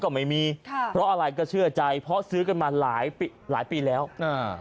ก็ไม่มีค่ะเพราะอะไรก็เชื่อใจเพราะซื้อกันมาหลายปีหลายหลายปีแล้วอ่า